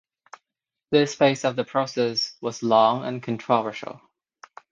This phase of the process was long and controversial.